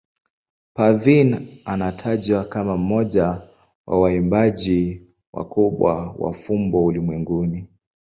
Parveen anatajwa kama mmoja wa waimbaji wakubwa wa fumbo ulimwenguni.